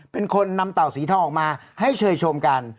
เป็นคนนำเต่าสีทองออกมาให้เชยชมกัน